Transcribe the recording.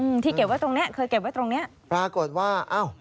ที่เก็บไว้ตรงเนี้ยเคยเก็บไว้ตรงเนี้ยปรากฏว่าอ้าว